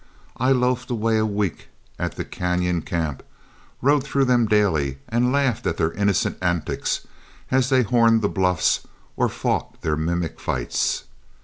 I loafed away a week at the cañon camp, rode through them daily, and laughed at their innocent antics as they horned the bluffs or fought their mimic fights.